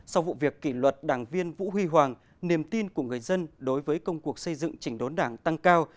sau vụ việc kỷ luật đảng viên vũ huy hoàng niềm tin của người dân đối với công cuộc xây dựng chỉnh đốn đảng tăng cao